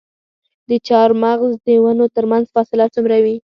د چهارمغز د ونو ترمنځ فاصله څومره وي؟